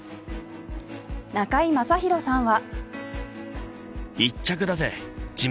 中居正広さんは。